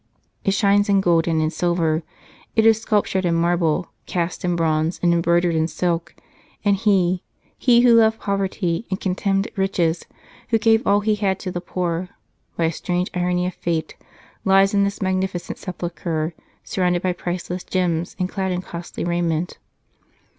It shines in gold and in silver, it is sculptured in marble, cast in bronze, and embroidered in silk ; and he he who loved poverty and contemned riches, who gave all he had to the poor, by a strange irony of Fate, lies in this magnificent sepulchre surrounded by priceless gems and clad in costly raiment.